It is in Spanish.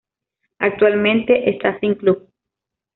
Actualmente esta Sin Club.